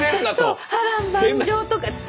そう波乱万丈とか。